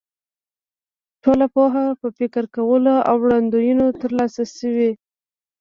ټوله پوهه په فکر کولو او وړاندوینو تر لاسه شوې.